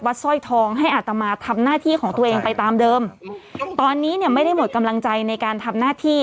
สร้อยทองให้อาตมาทำหน้าที่ของตัวเองไปตามเดิมตอนนี้เนี่ยไม่ได้หมดกำลังใจในการทำหน้าที่